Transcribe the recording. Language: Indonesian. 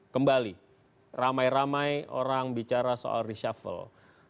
kembali ramai ramai orang bicara soal reshuffle